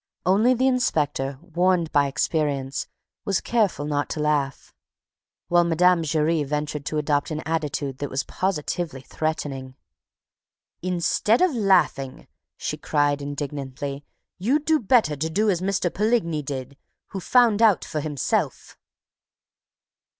Only the inspector, warned by experience, was careful not to laugh, while Mme. Giry ventured to adopt an attitude that was positively threatening. "Instead of laughing," she cried indignantly, "you'd do better to do as M. Poligny did, who found out for himself."